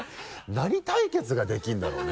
何対決ができるんだろうね？